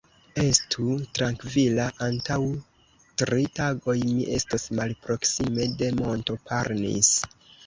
Estu trankvila, antaŭ tri tagoj mi estos malproksime de monto Parnis.